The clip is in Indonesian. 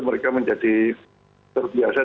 mereka menjadi terbiasa